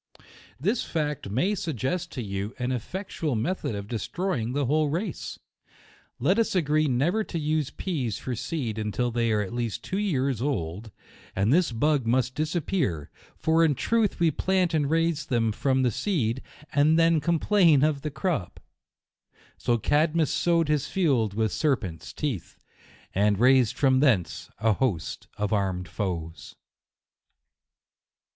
This fact may suggest to you an effectual me thod of destroying the whole race. Let us agree never to use peas for seed until they are at least two years old, and this bug must disappear; for in truth we plant and raise them from the seed, and then complain of the crop. So Cadmus sowed his field with ser pents' teeth, and raised from thence a host of armed foes.